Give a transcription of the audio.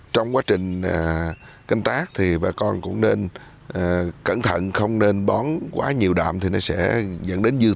trong quá trình canh tắc bà con cũng nên cẩn thận không bón quá nhiều đạm là sẽ dẫn đến dư thừa đạm